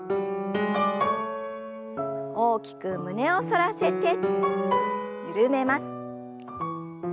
大きく胸を反らせて緩めます。